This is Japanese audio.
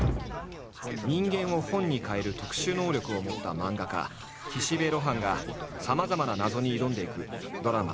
人間を本に変える特殊能力を持った漫画家岸辺露伴がさまざまな謎に挑んでいくドラマ